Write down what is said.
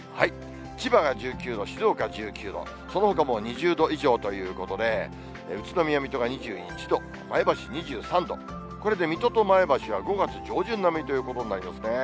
千葉が１９度、静岡１９度、そのほかも２０度以上ということで、宇都宮、水戸が２１度、前橋２３度、これで水戸と前橋は５月上旬並みということになりますね。